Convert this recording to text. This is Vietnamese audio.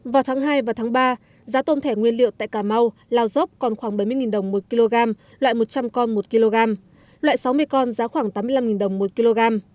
vào tháng hai và tháng ba giá tôm thẻ nguyên liệu tại cà mau lào dốc còn khoảng bảy mươi đồng một kg loại một trăm linh con một kg